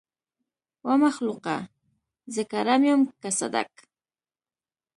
ومخلوقه! زه ګرم يم که صدک.